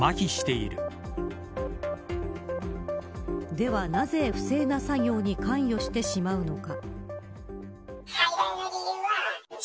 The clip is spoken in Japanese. ではなぜ、不正な作業に関与してしまうのか。